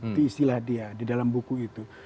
itu istilah dia di dalam buku itu